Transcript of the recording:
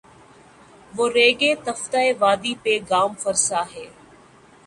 وہ ریگِ تفتۂ وادی پہ گام فرسا ہے